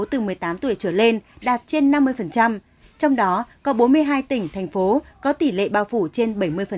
từ một mươi tám tuổi trở lên đạt trên năm mươi trong đó có bốn mươi hai tỉnh thành phố có tỷ lệ bao phủ trên bảy mươi